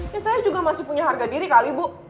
ya saya juga masih punya harga diri kali bu